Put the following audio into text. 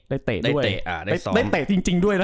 ได้เสริมจริงด้วยนะ